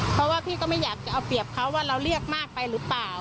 เพราะว่าพี่ก็ไม่อยากจะเอาเปรียบเขาว่าเราเรียกมากไปหรือเปล่า